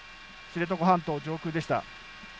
知床半島上空でした。